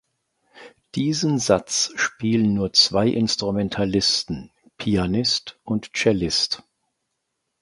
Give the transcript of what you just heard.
Diesen Satz spielen nur zwei Instrumentalisten (Pianist und Cellist).